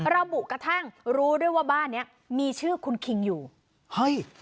ระบุกระทั่งรู้ด้วยว่าบ้านเนี้ยมีชื่อคุณคิงอยู่เฮ้ย